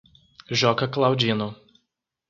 Joca Claudino